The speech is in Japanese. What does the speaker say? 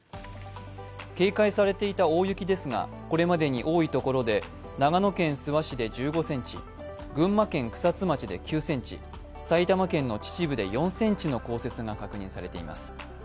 警戒されていた大雪ですがこれまでに多いところで長野県諏訪市で１５ｃｍ、群馬県草津町で９ｃｍ埼玉県秩父で４ｃｍの降雪が確認されています。